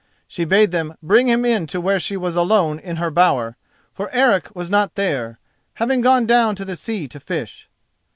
She bade them bring him in to where she was alone in her bower, for Eric was not there, having gone down to the sea to fish.